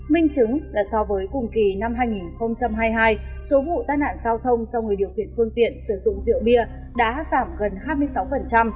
minh chứng là so với cùng kỳ năm hai nghìn hai mươi hai số vụ tai nạn giao thông do người điều khiển phương tiện sử dụng rượu bia đã giảm gần hai mươi sáu